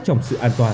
trong sự an toàn